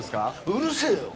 うるせえよ